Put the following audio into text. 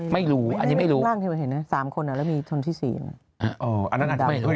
ไม่รู้อันนี้ไม่รู้ล่างที่มันเห็นนะ๓คนอ่ะแล้วมีทนที่๔น่ะอ๋ออันนั้นไม่เห็น